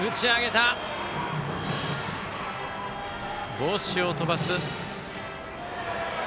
帽子を飛ばした。